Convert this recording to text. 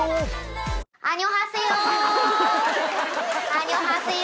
アニョハセヨ。